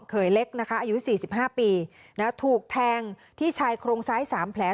เขยเล็กนะคะอายุสี่สิบห้าปีถูกแทงที่ชายโครงซ้ายสามแผล